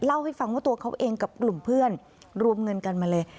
เล่าให้ฟังว่าตัวเขาเองกับกลุ่มเพื่อนรวมเงินกันมาเลย